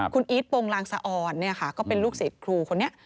คุณอีทโปรงลางสะออนก็เป็นลูกศิษย์ครูคนนี้